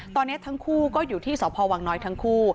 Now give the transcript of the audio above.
ตอนนี้ทั้งคู่ก็อยู่ที่สพวังน้อยทั้งคู่